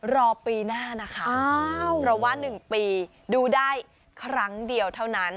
รอปีหน้านะคะเพราะว่า๑ปีดูได้ครั้งเดียวเท่านั้น